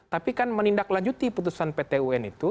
tapi kan menindaklanjuti putusan pt un itu